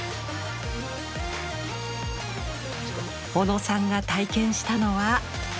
小野さんが体験したのは。